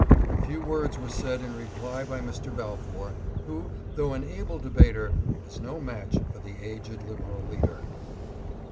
A few words were said in reply by Mr. Balfour, who, though an able debater, was no match for the aged Liberal leader.